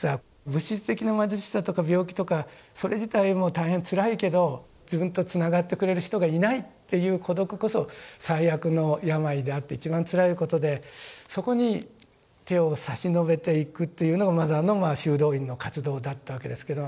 物質的な貧しさとか病気とかそれ自体も大変つらいけど自分とつながってくれる人がいないという孤独こそ最悪の病であって一番つらいことでそこに手を差し伸べていくというのがマザーの修道院の活動だったわけですけど。